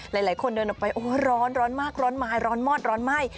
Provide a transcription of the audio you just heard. หลายคนเดินออกไปโอ้โหร้อนร้อนมากร้อนไม้ร้อนมอดร้อนไหม้